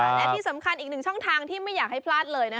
และที่สำคัญอีกหนึ่งช่องทางที่ไม่อยากให้พลาดเลยนะคะ